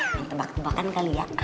makan tebakan kali ya